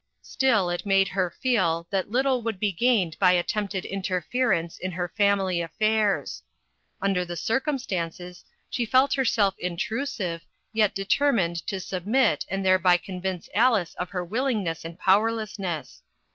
Still it made her feel that little would be gained by attempted interference in her family af fairs. Under the circumstances, she felt her self intrusive, yet determined to submit and thereby convince Alice of her willingness and powerlessness.